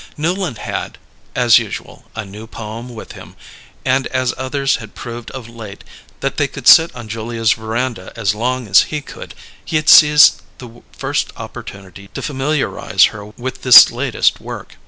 Newland had, as usual, a new poem with him; and as others had proved of late that they could sit on Julia's veranda as long as he could, he had seized the first opportunity to familiarize her with this latest work.